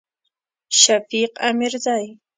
شفیق امیرزی